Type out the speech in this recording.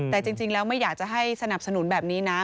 แต่จริงแล้วไม่อยากจะให้สนับสนุนแบบนี้นะ